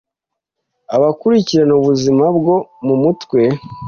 Abakurikirana ubuzima bwo mu mutwe